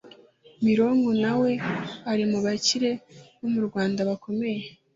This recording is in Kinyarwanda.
Mironko nawe arimubakire bomurwanda bakomeye